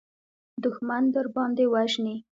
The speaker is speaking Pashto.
دښمن درباندې وژني.